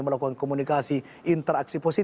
melakukan komunikasi ini adalah hal yang harus dilakukan